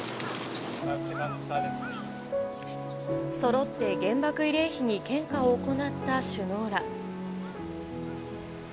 そろって原爆慰霊碑に献花を行った首脳ら。